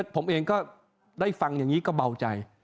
ผมเองก็ได้ฟังอย่างนี้ก็เบาใจ